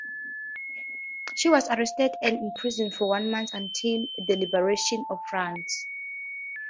She was arrested and imprisoned for one month until the liberation of France.